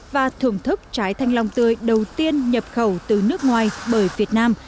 và thưởng thức trái thanh long tươi đầu tiên nhập khẩu từ nước ngoài bởi việt nam